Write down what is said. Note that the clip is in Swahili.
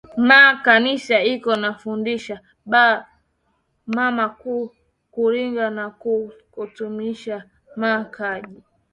Ma kanisa iko na fundisha ba mama ku rima na ku tumikisha ma Kaji